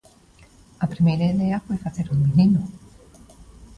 A primeira idea foi facer un vinilo.